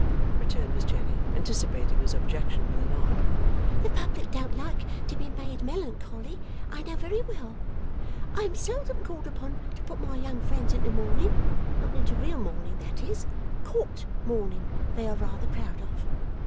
returned Miss Jenny, anticipating his objection with a nod. 'The public don't like to be made melancholy, I know very well. I am seldom called upon to put my young friends into mourning; not into real mourning, that is; Court mourning they are rather proud of.